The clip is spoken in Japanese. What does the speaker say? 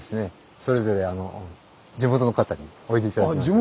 それぞれ地元の方においで頂きました。